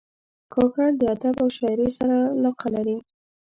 کاکړ د ادب او شاعرۍ سره علاقه لري.